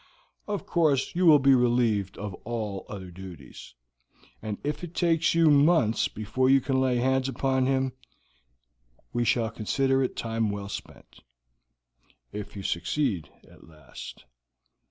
Of course you will be relieved of all other duties, and if it takes you months before you can lay hands upon him, we shall consider it time well spent, if you succeed at last.